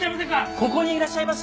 ここにいらっしゃいます。